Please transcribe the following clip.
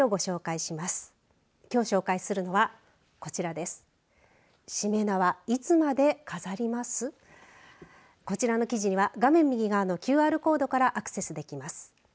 しめ縄、いつまで飾ります？をこちらの記事には画面右側のＱＲコードからアクセスできます。